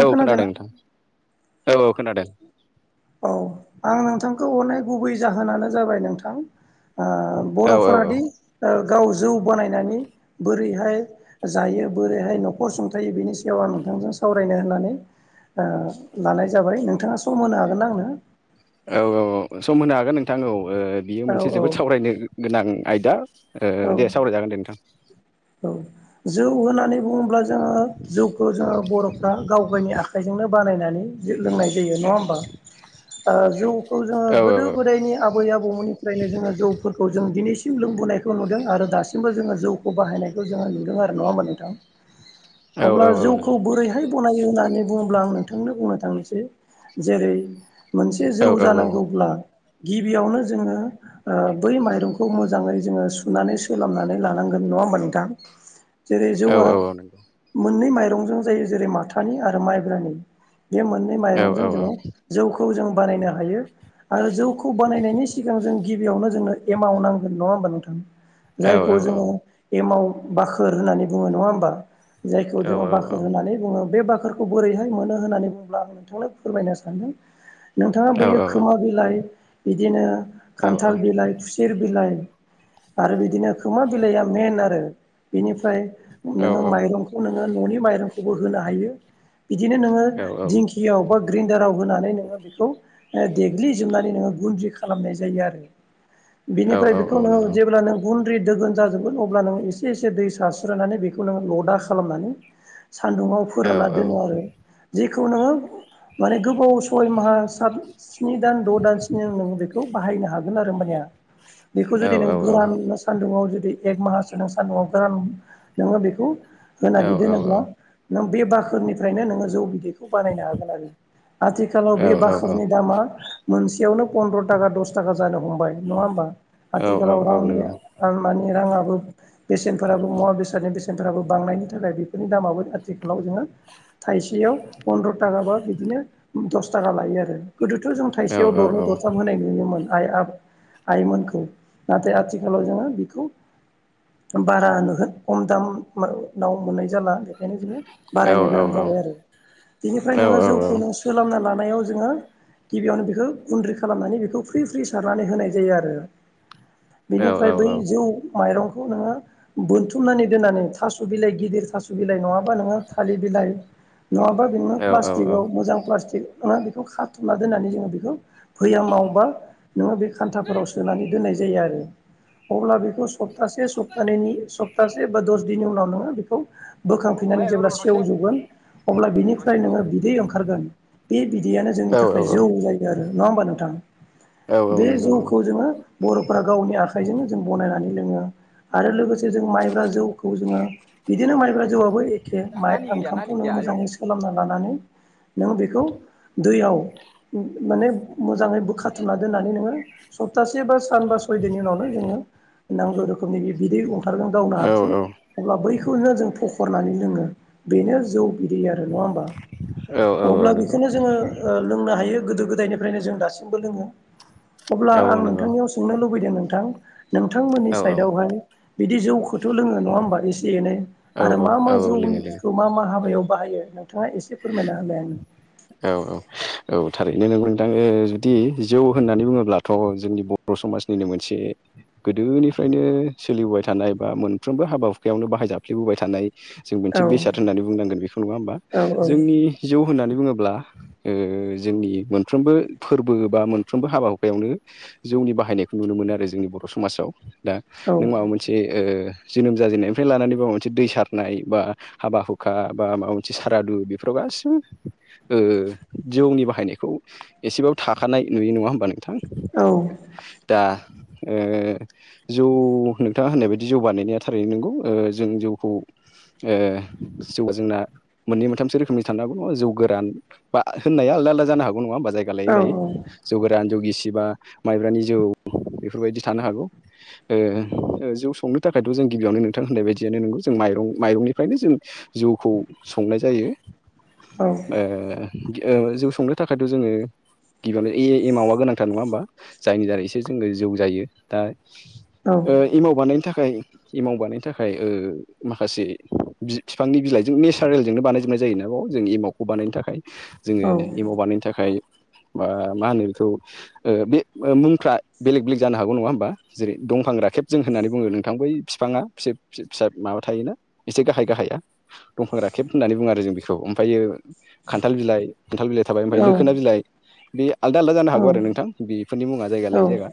औ खोनादों खोनादोंना? नोंथां औ औ। खोनादों औ आं नोंथांखौ हरनाय गुबै जाहोनानो जाबाय नोंथां ओ औ औ बर'फोरादि ओ गाव जौ बानायनानै बोरैहाय जायो बोरैहाय न'खर सुंथायो बिनि सायाव आं नोंथांजों सावरायनो होननानै ओ लानाय जाबाय नोंथाङा सम होनो हागोन आंनो? औ औ सम होनो हागोन नोंथां औ। ओ बियो औ मोनसे औ जोबोद सावरायनो गोनां आयदा। औ दे सावरायजागोन दे नोंथां। औ जौ होननानै बुङोब्ला जोङो जौखौ जोङो बर'फ्रा गाव गाइनि आखाइजोंनो बानायनानै जों लोंनाय जायो। [inaudible] आ जौखौ जोङो औ गोदो गोदायनि आबै आबौमोननिफ्रायनो जोङो जौफोरखौ जों दिनैसिम सिउ लोंबोनायखौ नुदों आरो दासिमबो जोङो जौखौ बाहायनायखौ जोङो नुदों आरो नङोमा नोंथां? औ अब्ला औ औ जौखौ नंगौ बोरैहाय बनायो होननानै बुङोब्ला आं नोंथांनो बुंनो थांनोसै जेरै मोनसे औ जौ औ जानांगौब्ला गिबियावनो जोङो ओ बै माइरंखौ मोजाङै जोङो सुनानै सोलांनानै लानांगोन नङा होमबा नों थां जेरै औ जौआ औ औ नंगौ मोननै माइरं जों जायो जेरै माथानि आरो माइब्रानि बे मोननै औ मजों औ जों जोङो जौखौ जों बानायनो हायो आरो जौखौ बानायनायनि सिगां जों गिबियावनो जोंनो एमाउन्ट नांगोन नङा होमबा नोंथां औ औ जायखौ जोङो गेमाव बाखोर होननानै बुङो नङा होमबा जायखौ औ जोङो औ बाखोर होननानै बुङो बे बाखारखौ बोरैहाय मोनो होननानै बुङोब्ला आं नोंथांनो फोरमायनो सानदों नोंथाङा औ बैयो औ खोमा बिलाइ बिदिनो औ नंगौ औ खान्थाल बिलाइ खुसि थिर बिलाइ आरो बिदिनो खोमा बिलाइया मेन आरो बिनिफ्राय औ नोङो नंगौ औ माइरंखौ नोङो न'नि माइरंखौबो होनो हायो बिदिनो नोङो दिंखियाव बा ग्रिडाराव होनानै नोङो बेखौ देग्लिजोबनानै नोङो गुन्द्रि खालामनाय जायो आरो बिनिफ्राय बेखौनो औ जेब्लानो गुन्द्रि दोगोन जाजोबगोन अब्ला नोङो इसे इसे दै सारस्रायानै बेखौ नोङो लदा खालामनानै सान्दुङाव फोरानना दोनो आरो जेखौ नोङो माने गोबाव सय माहा सत स्नि दान द' दानसिनि नोङो बेखौ बाहायनो हागोन आरो होमबानिया बेखौ जुदि नों गोरान बा सानदुंआव एक माहासो नों सान्दुंआव गोरान नोङो बेखौ होनानै दोनोब्ला नों बे बाखोरनिफ्रायनो नोङो जौ बिदिख- खौ बानायनो हागोन आरो आथिखालाव बे बाखलनि दामा मोनसेयावनो पनन्द्र' थाखा दस थाखा जानो हमबाय नङा होमबा? आथिखालाव [unintelligible] मानि राङाबो बेसेनफोराबो मुवा बेसादनि बेसेनफोराबो बांनायनि थाखाय बेफोरनि दामाबो आथिखालाव जोङो थाइसेयाव फन्द्र' थाखाबा बिदिनो दस थाखा लायो आरो गोदोथ' जों थाइसेयाव दरनै दरथाम होनाय नुयोमोन आइ आफ आइमोनखौ नाथाय आथिखालाव जोङो बेखौ बारा [unintelligible] खम मो नाव मोननाय जाला बेखायनो जोङो बारायनो गोनां जाबाय आरो बिनिफ्राय नोङो जौखौ नों सोललाना लानायाव जोङो गिबियावनो बेखौ गुन्द्रि खालामनानै बेखौ फ्रि फ्रि सारनानै होनाय जायो आरो बिनिफ्राय बै जौ माइरंखौ नोङो बोनथुमनानै दोननानै थास' बिलाइ गिदिर थास' बिलाइ नङा ङा नोङो थालिर बिलाइ नङाबानो प्लास्टिकआव मोजां प्लास्टिक बेखौ खाथुमना दोन्नानै जोङो बेखौ फैया मावोबा नोङो बे खान्थाफोराव सोनानै दोननाय जायो आरो अब्ला बेखौ सप्तासे स्तानैनि सप सप्तासे बा दस दिननि उनाव नोङो बेखौ बोखांफिननानै जेब्ला सेवजोबगोन अब्ला बिनिफ्राय नोङो बिदै ओंखारगोन बे बिदैयानो जोंनि औ थाखाय औ जौ जायगा आरो नङा होमबा नोंथां औ औ बे नंगौ नंगौ जौखौ जोङो बर'फोरा गावनि आखाइजोंनो जों बनायनानै लोङो आरो लोगोसे जों मायब्रा जौखौ जोङो बिदिनो मायब्रा ज जौआबो एखे माइ ओंखामखौ नों मोजाङै सोलोमना लानानै नों बेखौ दैयाव माने मोजाङै बो खाथुमना दोन्नानै नोङो सप्तासे बा सान बा सय दिनि उनावनो जोङो नांगौ रोखोमनि बे बिदै ओंखारगोन गावनो औ हारसिं औ अब्ला बै खौनो जों थखरनानै लोङो बेनो जौ बिदै आरो नङा होमबा? औ औ औ अब्ला नंगौ बेखोनो जोङो ओ लोंनो हायो। गोदो गोदायनिफ्रायनो जों दासिमबो लोङो अब्ला औ औ आं नंगौ नोंथांनियाव सोंनो लुबै दों नोंथां नोंथांमोननि औ साइडआवहाय बिदि जौ खौ लोङो नङा हा एसे एनै औ आरो मा औ मा लोङो जौनि लोङो मा मा हाबायाव बाहायो नोंथाङा एसे फोरमायना होलाय आंनो औ औ औ थारै नो नोंथां जुदि जौ होननानै बुङोब्लाथ' जोंनि बर' समाजनिनो मोनसे गोदोनिफ्रायनो सोलिबोबाय थानाय बा मोनफ्रोमबो हाबा हुखायावनो बाहायजाफ्ललिबोबाय थानाय जों मोनसे आंनो बेसाद होननानै बुंनांगोन बेखौ नङा होमबा औ जोंनि जौ होननानै बुङो ब्ला ओ जोंनि मोनफ्रोमबो फोरबो बा मोनफ्रोमबो हाबा हुखायावनो जौनि बाहायनायखौ नुनो मोनो आरो जोंनि बर' समाजाव दा औ नों माबा मोनसे ओ जोनोम जाजेननायनिफ्राय लानानै माबा मोनसे दै सारनाय बा हाबा हुखा बा माबा मोनसे सारादु बेफोराव गासिबो ओ जौनि बाहायनायखौ एसेबाबो थाखानाय नुयो नङा होमबा नों थां औ दा ओ जौ नोंथाङा होननाय बायदि जौ बानायनाया थारैनो नंगौ ओ जों जौखौ ओ जौआ जोंना मोननै मोनथामसो रोखोमनि थाननांगौ नङ जौ गोरान बा होननाया आलदा आलदा जानो हागौ नङा बा जायगा लायै औ लायै जौगोरान जौगिसि सिबा माइब्रानि जौ बेफोरबायदि थानो हागौ ओ जौ संनो थाखायथ' जों गिबियावनो नोंथां होननाय बायदियानो नंगौ जों माइरं माइरंनिफ्रायनो जों जौखौ संनाय जायो औ ओ ओ जौ संनो थाखायथ' जोङो गिबियावनो ए एमावा गोनांथार नङा होमबा जायनि दारै सो जोङो जौ जायो दा औ ओ एमाव बानायनो थाखाय एमाव बानायनो थाखाय ओ माखासे बि फिफांनि बिलाइजों नेसारेलजोंनो बानायजोबनाय जायो ना खौ जों एमावखौ बानायनो थाखाय जोङो औ एमाव बानायनो थाखाय बा मा होनो बेखौ ओ बे मुंफ्रा बेलेग बेलेग जानो हागौ नङा होमबा जेरै दंफां राखेब जों होननानै बुङो नोंथां बै बिफाङा फिसा माबा थायोना एसे गाहाय गाहाया दंफां राखेब होननानै बुङो आरो जों बेखौ ओमफ्रायो खान्थाल बिलाइ खान्थाल बिलाइ थाबाय औ ओमफ्राय लोखोना बिलाइ बे आलदा आलदा जानो हागौ आरो नोंथां बेफोरनि मुङा जायगा लायै जायगा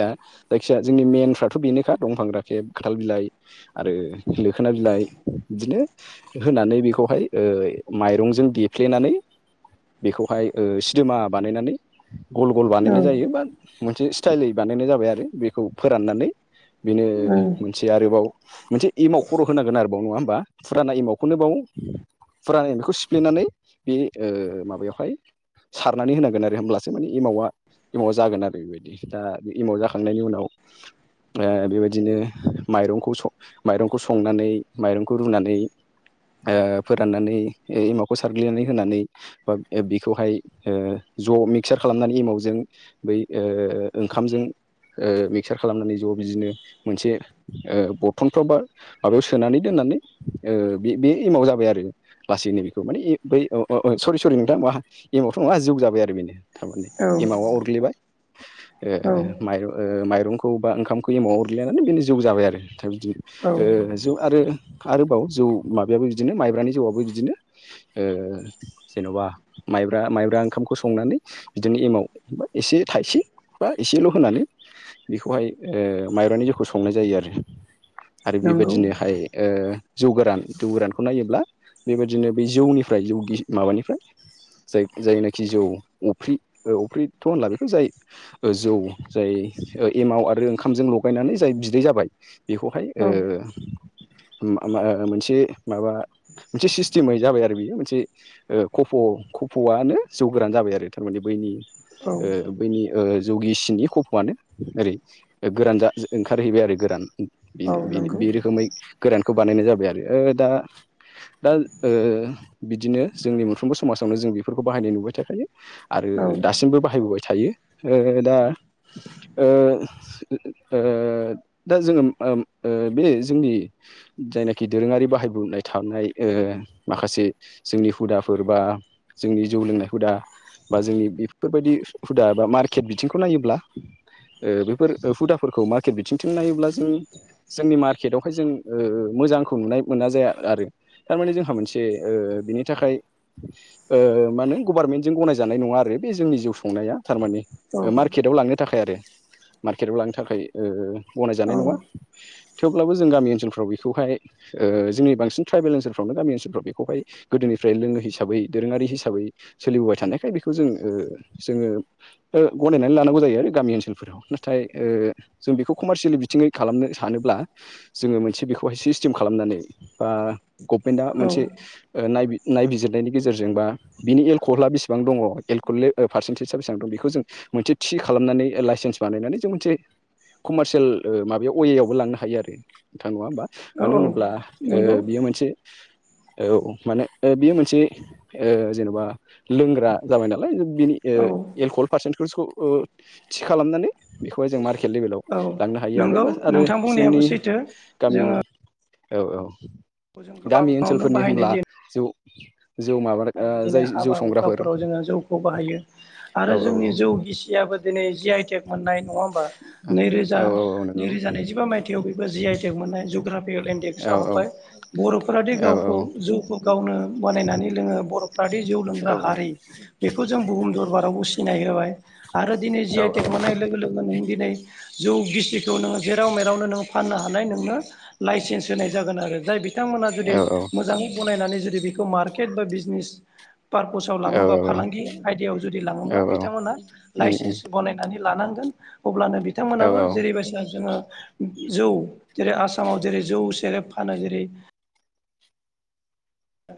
दा जायखिजया जोंनि मेनफ्राथ' बेनोखा दंफां राखेब खानथाल बिलाइ आरो लोखोना बिलाइ बिदिनो होनानै बेखौहाय ओ माइरंजों दे फ्लेनानै बेखौहाय ओ सिनेमा बानायनानै गल गल बानायनाय जायो बा मोनसे स्टाइलै बानायनाय जाबाय आरो बेखौ फोराननानै बेनो मोनसे आरोबाव मोनसे एमाव खर' होनांगोन आरोबाव नङा होम बा फुराना एमावखौनो बाव फुराना एमाव खौ सिफ्लेनानै बे ओ माबायावहाय सारनानै होनांगोन आरो होमब्लासो माने एमावा एमाव जागोन आरो बेबायदि दा बे एमाव जाखांनायनि उनाव ओमफाय बेबायदिनो माइरंखौ माइरंखौ संनानै माइरंखौ रुनानै ओ फोराननानै एमावखौ सारग्लिनानै होनानै बा बिखौहाय ओ ज' मिक्सार खालामनानै एमावजों बै ओ ओंखामजों ओ मिक्सार खालामनानै ज' बिदिनो मोनसे ओ बरथनफ्राव बा माबायाव सोनानै दोन नानै ओ बे बे एमाव जाबाय आरो लासैनोै बेखौ माने ए बै ओ ओ सरि सरि नोंथां मा एमावथ' ना जौ जाबाय आरो बेनो थारमाने औ एमावा अरग्लिबाय ओ औ माइरं माइरंखौ बा ओंखामखौ एमाव अरलि लानानै बेनि जौ जाबाय आरो दा बिदि औ ओ जौ आरो आरोबाव जौ माबायाबो बिदिनो माइब्रानि जौआबो बिदिनो ओ जेन'बा माइब्रा माइब्रा ओंखामखौ संनानै बिदिनो एमाव बा एसे थाइसे बा एसेल' होनानै बेखौहाय ओ माइब्रानि जिउखौ संनाय जायो आरो आरो नंगौ बेबायदिनोहाय जौ गोरान, जौ गोरानखौ नायोब्ला बेबायदिनो बे जौनि ओमफ्राय जौ गिस माबानिफ्राय जाय जायनाखि जौ अफ्रि, बे अफ्रिथ' होनला बेखौ जाय ओ जौ जाय एमाव आरो ओंखामजों लगायनानै जाय बिदै जाबाय बेखौहाय ओ औ मा मा मोनसे माबा मोनसे सिस्टेमै जाबाय आरो बियो। मोनसे ओ कफ' कफ'आनो जौवगोरान जाबाय आरो थारमाने बैनि औ ओ बैनि ओ जौगिसिनि खफ'आनो ओरै ओ गोरान जा ओंखारहैबाय आरो गोरान। बि औ बि नंगौ बि रोखोमै गोरानखौ बानायनाय जाबाय। आरो ओ दा दा ओ बिदिनो जोंनि मोनफ्रोमबो समाजावनो जों बेफोरखौ बाहायनाय नुबाय थाखायो। आरो औ दासिमबो बाहायबोबाय थायो। ओ दा ओ ओ दा जोङो ओम ओ बे जोंनि जायनाखि दोरोङारि बाहायबोनाय थानाय ओ माखासे जोंनि हुदाफोर बा, जोंनि जौ लोंनाय हुदा बा जोंनि बेफोरबायदि हुदा, बा मार्केट बिथिंखौ नायोब्ला ओ बेफोर हुदाफोरखौ मार्केट बिथिंथिं नायोब्ला जों जोंनि मार्केटावहाय जों ओ मोजांखौ नुनाय मोना जाया आरो। थारमाने जोंहा मोनसे ओ बिनि थाखाय ओ मा होनो गभार्नमेन्टजों गनायजानाय नङा आरो बे जोंनि जौ संनाया। थारमाने औ मार्केटआव लांनो थाखाय आरो मार्केटआव लांनो थाखाय ओ औ गनायजानाय नङा। थेवब्लाबो जों गामि ओनोलफ्राव बेखौहाय ओ जोंनि बांसिन ट्राइबेल ओनोलफ्रावनो गामि ओनसोलफ्राव बे बेखौहाय गोदोनिफ्राय लोङो हिसाबै, दोरोङारि हिसाबै सोलिबोबाय थानायखाय बेखौ जों ओ जोङो ओ गनायनानै लानांगौ जायो आरो गामि ओनसोलफोराव नाथाय जों बेखौ कमारसियेलि बिथिङै खालाम नो सानोब्ला जोङो मोनसे बेखौहाय सिस्टेम खालामनानै, बा गभमेन्टआ औ मोनसे ओ नाय नायबिजिरनायनि गेजेरजोंबा बिनि एलक'हला बेसेबां दङ एलक'हल पारसेन्टेजआ बेसेबां दं बे बेखौ जों मोनसे थि खालामनानै लाइसेन्स बानायनानै जों मोनसे कमारसियेल ओ माबायाव अवे आवबो लांनो हायो आरो, नोंथां नङा होमबा? मानो औ होनोब्ला ओ नंगौ बियो मोनसे औ माने ओ बियो मोनसे ओ जेन'बा लोंग्रा जाबाय नालाय बिनि ओ औ एलकहल पारसेेनटेजखौ ओ थि खालामनानै बेखौहाय जों मार स्टेट लेभेलाव औ लांनो हायो आरो नंगौ बा आरो नोंथां बुंनायाबो जोंनि सैथो गामि औ औ खौ जों गोबां मावनो बे होनब्ला जोउ नाय बिदिनो हाबा हुखाफोराव जोङो जौखौ बाहायो, औ आरो औ जोंनि जौ गिसियाबो दिनै जिआइटेक मोननाय नङा होमबख नैरोजा औ औ औ नंगौ नैरोजानैजिबा माइथायाव बेखौ जिआइटेक मोननाय जु जुग्राफिएल औ इन्डेक्सआव औ हाबबाय बर'फोराादि औ गावखौ जौखौ गावनो बानायनानै लोङो। बर'फादि जौ औ लोंग्रा हारि बेखौ जों बुहुम दरबारावबो सिनाय होबाय। आरो दिनै जि औ आइ टेक मोननाय लोगो लोगो नों दिनै जौ गिसिखौ नोङो जेराव मेरावनो नों फाननो हानाय नोंनो लाइसेन्स होनाय जागोन आरो। जाय बिथांमोना जुदि औ मोजाङै गनायनानै जो जे बेखौ मार्केट बा बिजनिस पारपसाव औ लाङोबा, फालांगि आयदायाव जुदि लाङोब्ला औ औ बिथांमोना उम उम लाइसेन्स बनायनानै लानांगोन अब्लानो औ बिथांमोनाबो जेरैबायसा जोङो जौ जेरै आसामाव जेरै जौ सेरेब फानो जेरै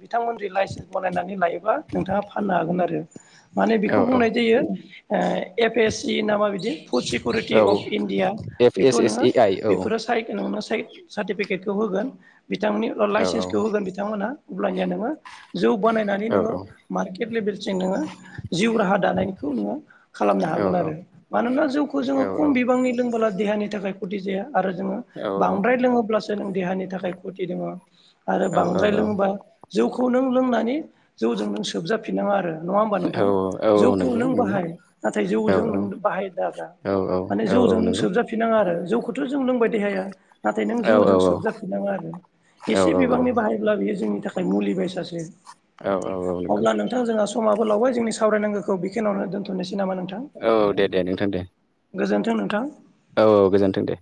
बिथांमोनजों लाइसेन्स बनायनानै लायोब्ला नोंथाङा फाननो हागोन आरो। माने औ बेखौ औ बुंनाय जायो ओ एफ एस सि ना मा बिदि फुड औ security of India F S बेखौ एस नोङो ए आइ औ बेफोरो साय नोंनो स साइ सार्टिफिकेटखौ होगोन बिथांमोननि औ लाइसेन्सखौ होगोन बिथांमोनहा अब्लानिया नोङो जौ बानायनानै औ नोङो मार्केट लेभेलसिम नोङो जिउ राहा दानायनिखौ नोङो खालामनो औ हागोन आरो मानोना जौखौ औ जोङो खम बिबांनि लोंबोला देहानि थाखाय खथि जाया आरो जोङो बांद्राय लोङोब्लासो नों देहानि थाखाय खथि दङ। आरो बांद्राय लोङोबा जौखौ नों लोंनानै जौजों नों सोबजाफिननाङा आरो। नङा होमबा औ नोंथां? औ जौखौ नंगौ नों नंगौ बाहाय नाथाय औ जौजों नों बाहाय दाजा। औ माने औ औ जौजों नों नंगौ सोबजाफिनाङा आरो जौखौथ' जों लोंबाय [unintelligible] नाथाय नों औ औ जौजों सोबजाफिननाङा आरो औ एसे औ बिबांनि बाहायब्ला बियो जोंनि थाखाय मुलि बायसासो। औ औ औ नंगौ। अब्ला नोंथां जोंहा समाबो लावबाय जोंनि सावरायनांगौखौ बेखिनियावनो दोनथ'निसै। औ दे दे नोंथां दे। गोजोन्थों नोंथां। औ औ गोजोन्थों दे।